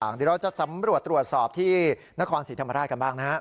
เดี๋ยวเราจะสำรวจตรวจสอบที่นครศรีธรรมราชกันบ้างนะฮะ